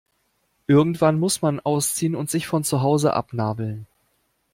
Irgendwann muss man ausziehen und sich von zu Hause abnabeln.